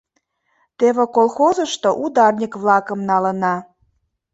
Теве колхозышто ударник-влакым налына.